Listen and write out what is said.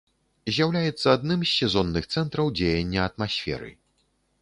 З'яўляецца адным з сезонных цэнтраў дзеяння атмасферы.